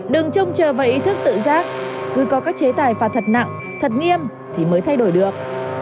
đừng trông chờ vào ý thức tự giác cứ có các chế tài phạt thật nặng thật nghiêm thì mới thay đổi được